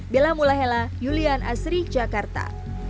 bella mulahela julian asri jakarta